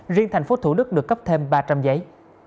riêng thành phố thủ đức được cấp thêm ba trăm linh giấy